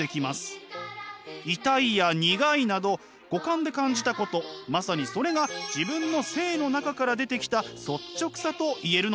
痛いや苦いなど五感で感じたことまさにそれが自分の生の中から出てきた率直さと言えるのです。